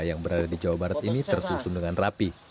yang berada di jawa barat ini tersusun dengan rapi